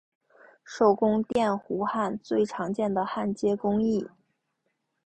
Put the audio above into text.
手工电弧焊最常见的焊接工艺。